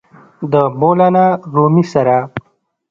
د مولانا رومي سره!!!